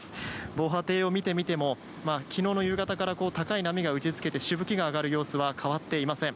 防波堤を見てみても昨日の夕方から高い波が打ちつけてしぶきが上がる様子は変わっていません。